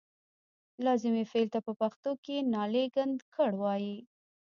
لازمي فعل ته په پښتو کې نالېږندکړ وايي.